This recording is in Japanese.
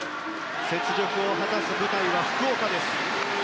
雪辱を果たす舞台は福岡です。